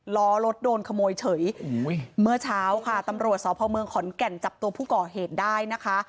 ล้อรถโดนขโมยเฉยเมื่อเช้าค่ะตำรวจสพเมืองขอนแก่นจับตัวผู้ก่อเหตุได้นะคะ